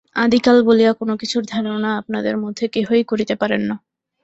আদিকাল বলিয়া কোন কিছুর ধারণা আপনাদের মধ্যে কেহই করিতে পারেন না।